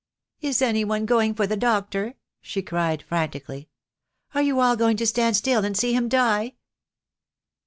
"Is any one going for the doctor?" she cried, fran tically. "Are you all going to stand still and see him die?"